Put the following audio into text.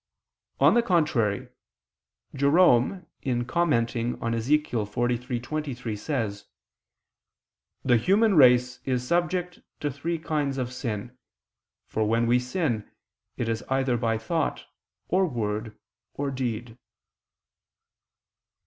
On the contrary, Jerome in commenting on Ezech. 43:23, says: "The human race is subject to three kinds of sin, for when we sin, it is either by thought, or word, or deed."